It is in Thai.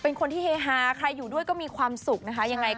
เป็นคนที่เฮฮาใครอยู่ด้วยก็มีความสุขนะคะยังไง